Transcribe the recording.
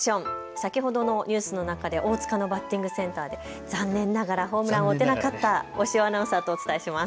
先ほどのニュースの中で大塚のバッティングセンターで残念ながらホームランを打てなかった押尾アナウンサーとお伝えします。